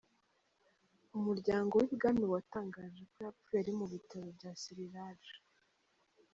Umuryango w’ibwami watangaje ko yapfuye ari mubitaro bya Siriraj.